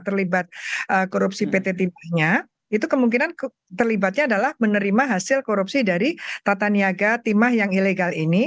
terlibat korupsi pt timahnya itu kemungkinan terlibatnya adalah menerima hasil korupsi dari tata niaga timah yang ilegal ini